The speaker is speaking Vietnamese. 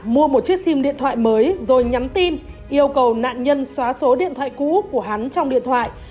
mua một chiếc sim điện thoại mới rồi nhắn tin yêu cầu nạn nhân xóa số điện thoại cũ của hắn trong điện thoại